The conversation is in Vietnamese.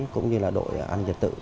cũng như là đội ăn nhiệt tự